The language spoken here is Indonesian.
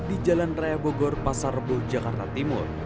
di jalan raya bogor pasar rebo jakarta timur